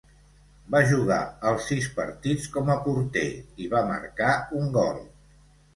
Va jugar els sis partits com a porter, i va marcar un gol.